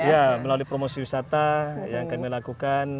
ya melalui promosi wisata yang kami lakukan